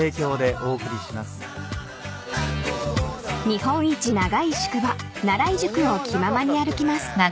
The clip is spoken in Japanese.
［日本一長い宿場奈良井宿を気ままに歩きます］